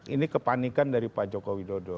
ini kepanikan dari pak joko widodo